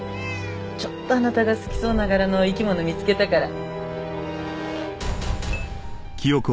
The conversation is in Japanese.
ちょっとあなたが好きそうな柄の生き物見つけたから。